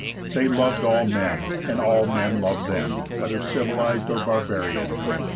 They loved all men, and all men loved them, whether civilized or barbarian.